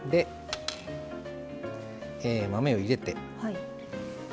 豆を入れて。